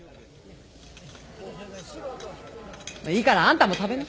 いいからあんたも食べな。